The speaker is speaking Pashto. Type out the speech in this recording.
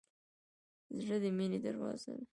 زړه د مینې دروازه ده.